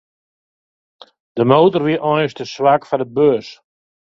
De motor wie eink te swak foar de bus.